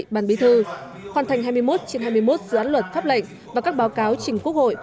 bàn bí thư hoàn thành hai mươi một trên hai mươi một dự án luật pháp lệnh và các báo cáo trình quốc hội